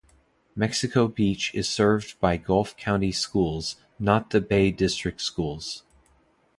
Mexico Beach is served by Gulf County Schools, not the Bay District Schools.